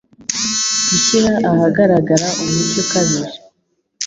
gushyira ahagaragara umucyo ukabije